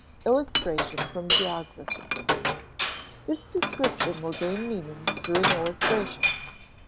[Sidenote: Illustration from geography,] This description will gain meaning through an illustration.